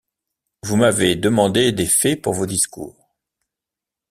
Vous m’avez demandé des faits pour vos discours...